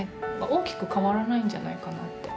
大きく変わらないんじゃないかなって。